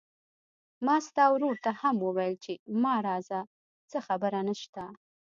ما ستا ورور ته هم وويل چې ما راځه، څه خبره نشته.